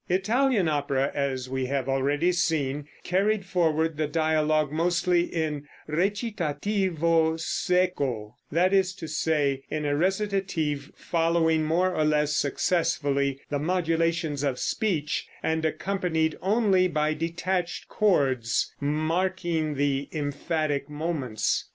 Italian opera, as we have already seen, carried forward the dialogue mostly in recitativo secco, that is to say, in a recitative following more or less successfully the modulations of speech, and accompanied only by detached chords marking the emphatic moments.